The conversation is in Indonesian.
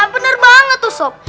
bener banget tuh sob